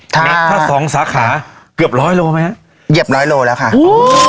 ถ้าสองสาขาเกือบร้อยโลไหมฮะเหยียบร้อยโลแล้วค่ะโอ้